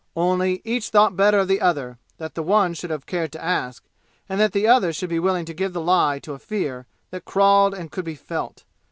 Only, each thought better of the other, that the one should have cared to ask, and that the other should be willing to give the lie to a fear that crawled and could be felt.